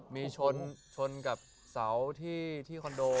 มีชนกับเสาที่คอนโด